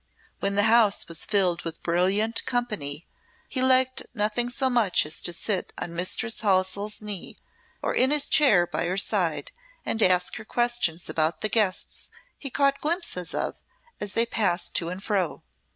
When the house was filled with brilliant company he liked nothing so much as to sit on Mistress Halsell's knee or in his chair by her side and ask her questions about the guests he caught glimpses of as they passed to and fro.